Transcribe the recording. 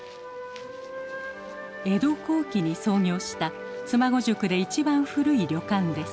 江戸後期に創業した妻籠宿で一番古い旅館です。